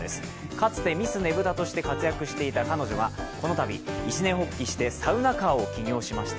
かつてミスねぶたとして活躍していた彼女はこのたび、一念発起してサウナカーを起業しました。